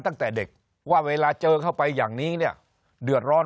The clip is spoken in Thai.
ตั้งแต่เด็กว่าเวลาเจอเข้าไปอย่างนี้เนี่ยเดือดร้อน